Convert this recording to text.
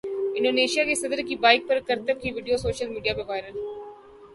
Indonesia کے صدر کی بائیک پر کرتب کی ویڈیو سوشل میڈیا پر وائرل